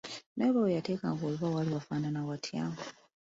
Naye oba we yateekanga oluba waali wafaanana watya?